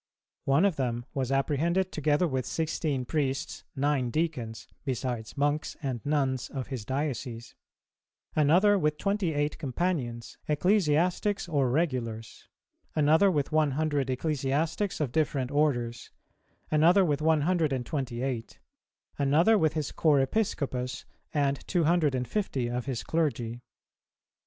One of them was apprehended together with sixteen priests, nine deacons, besides monks and nuns of his diocese; another with twenty eight companions, ecclesiastics or regulars; another with one hundred ecclesiastics of different orders; another with one hundred and twenty eight; another with his chorepiscopus and two hundred and fifty of his clergy.